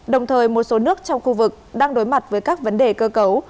đồng thời một số nước trong khu vực đang đối mặt với các vấn đề cơ cấu